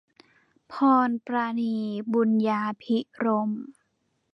พรปราณี บุญญาภิรมย์